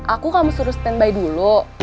aku kamu suruh standby dulu